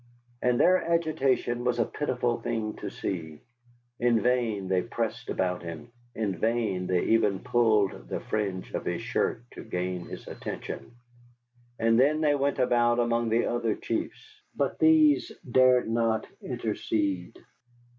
And their agitation was a pitiful thing to see. In vain they pressed about him, in vain they even pulled the fringe of his shirt to gain his attention. And then they went about among the other chiefs, but these dared not intercede.